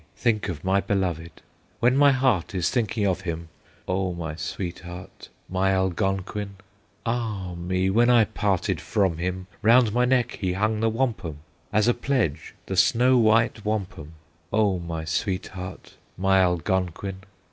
think of my beloved, When my heart is thinking of him, O my sweetheart, my Algonquin! "Ah me! when I parted from him, Round my neck he hung the wampum, As a pledge, the snow white wampum, O my sweetheart, my Algonquin!